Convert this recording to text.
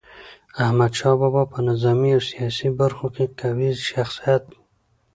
احمد شاه بابا په نظامي او سیاسي برخو کي قوي شخصیت و.